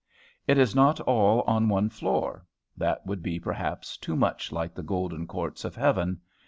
It is not all on one floor; that would be, perhaps, too much like the golden courts of heaven.